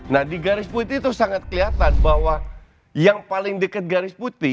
nah di garis putih itu sangat kelihatan bahwa yang paling dekat garis putih